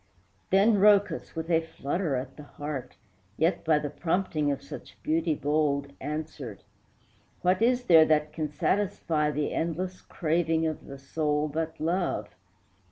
Then Rhœcus, with a flutter at the heart, Yet, by the prompting of such beauty, bold, Answered: "What is there that can satisfy The endless craving of the soul but love?